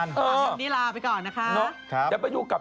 ครั้งนี้ลาไปก่อนนะคะหนูครับใช่มั้ยแมะ